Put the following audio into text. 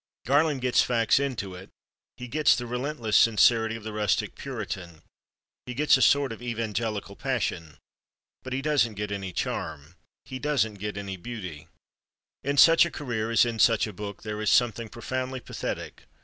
Garland gets facts into it; he gets the relentless sincerity of the rustic Puritan; he gets a sort of evangelical passion. But he doesn't get any charm. He doesn't get any beauty. In such a career, as in such a book, there is something profoundly pathetic.